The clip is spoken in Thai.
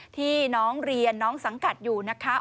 ที่น้องเรียนน้องสังกัดอยู่นะคะ